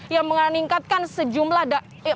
yang mengingatkan sejumlah